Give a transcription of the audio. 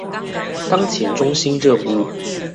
當前中心任務